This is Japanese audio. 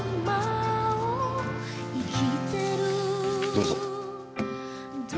どうぞ。